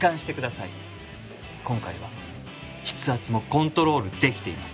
今回は筆圧もコントロールできています。